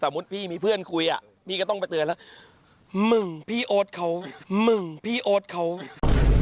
แต่มุติพี่มีเพื่อนคุยอ่ะพี่ก็ต้องไปเตือนแล้วมึงพี่โอ๊ตเขามึงพี่โอ๊ตเขา